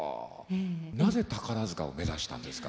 なぜ宝塚を目指したんですか？